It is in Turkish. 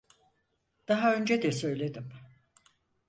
Daha önce de söyledim.